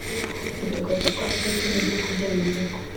utugati twa keke nibyokurya bibikwa